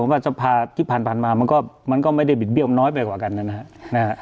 ว่าสภาที่ผ่านผ่านมามันก็มันก็ไม่ได้บิดเบี้ยวน้อยไปกว่ากันนะครับ